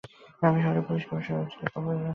আমি শহরের police commissioner Ajit কুমারের সাথে কথা বলেছি।